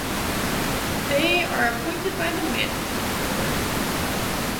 They are appointed by the Management Board.